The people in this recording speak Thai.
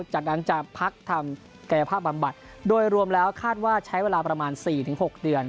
จากนั้นจะพักทำกายภาพบำบัดโดยรวมแล้วคาดว่าใช้เวลาประมาณ๔๖เดือน